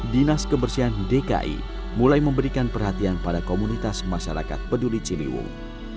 dinas kebersihan dki mulai memberikan perhatian pada komunitas masyarakat peduli ciliwung